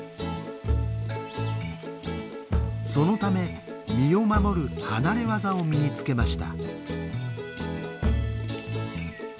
そのため身を守る離れ業を身につけました。